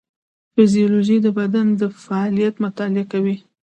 فیزیولوژي د بدن فعالیت مطالعه کوي